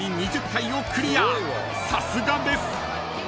［さすがです］